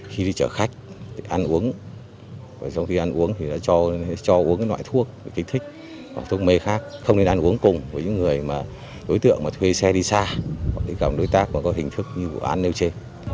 khi đi chở khách ăn uống trong khi ăn uống thì cho uống cái loại thuốc cái thích hoặc thuốc mê khác không nên ăn uống cùng với những người đối tượng thuê xe đi xa gặp đối tác có hình thức như vụ án nêu chê